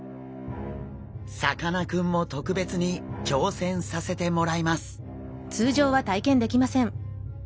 さかなクンも特別に挑戦させてもらいます。